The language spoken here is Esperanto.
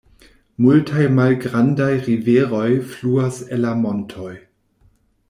Multaj malgrandaj riveroj fluas el la montoj.